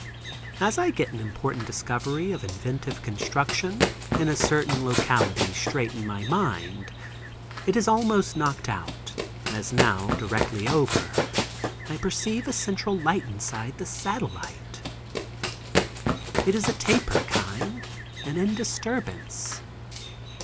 As I get an important discovery of inventive construction in a certain locality straight in my mind, it is almost knocked out, as now, directly over, I perceive a central light inside the satellite. It is a taper kind and in disturbance.